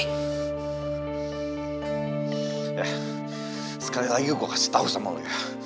eh sekali lagi gue kasih tau sama lo ya